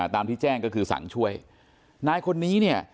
ตามที่แจ้งก็คือสั่งช่วยนายคนนี้เนี่ย